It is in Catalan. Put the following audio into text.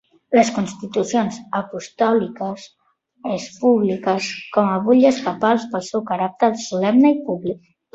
Les Constitucions apostòliques es publiques com a butlles papals pel seu caràcter solemne i públic.